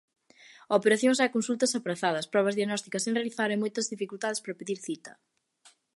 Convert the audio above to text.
Operacións e consultas aprazadas, probas diagnósticas sen realizar e moitas dificultades para pedir cita.